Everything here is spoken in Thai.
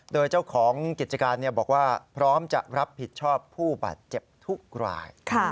โดยเจ้าของกิจการบอกว่าพร้อมจะรับผิดชอบผู้บาดเจ็บทุกราย